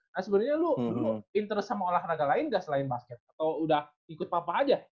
nah sebenarnya lu pinterest sama olahraga lain nggak selain basket atau udah ikut papa aja